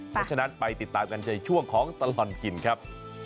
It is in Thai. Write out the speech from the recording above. เพราะฉะนั้นไปติดตามกันในช่วงของตลอดกินครับ